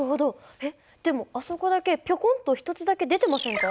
えっでもあそこだけピョコンと１つだけ出てませんか？